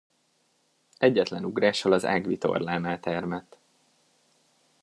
Egyetlen ugrással az ágvitorlánál termett.